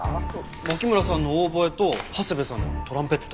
牧村さんのオーボエと長谷部さんのトランペット。